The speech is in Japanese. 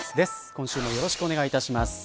今週もよろしくお願いいたします。